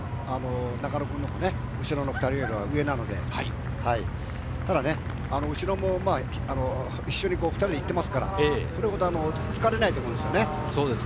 自力からすれば中野君の後ろの２人のほうが上なので、後ろも一緒に２人で行っていますから、それほど疲れないと思うんですよね。